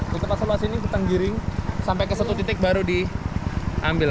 di tempat sebelah sini kita ngiring sampai ke satu titik baru diambil